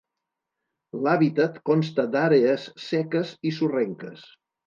L'hàbitat consta d'àrees seques i sorrenques.